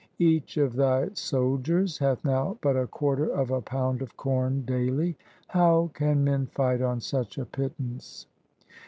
Each of thy soldiers hath now but a quarter of a pound of corn daily. How can men fight on such a pit tance